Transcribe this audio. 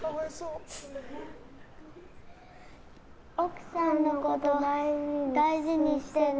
奥さんのこと大事にしてね。